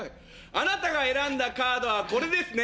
あなたが選んだカードはこれですね？